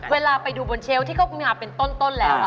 เวลาไปดูบนเชลล์ที่เขามาเป็นต้นแล้ว